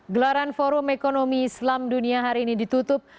gelaran forum ekonomi islam dunia hari ini ditutup